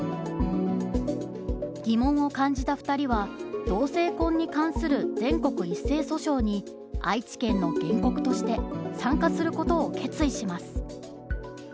疑問を感じた２人は同性婚に関する全国一斉訴訟に愛知県の原告として参加することを決意します。